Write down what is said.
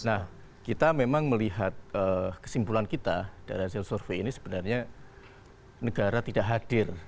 nah kita memang melihat kesimpulan kita dari hasil survei ini sebenarnya negara tidak hadir